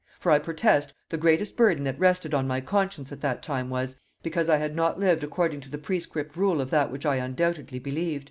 For I protest, the greatest burden that rested on my conscience at that time was, because I had not lived according to the prescript rule of that which I undoubtedly believed."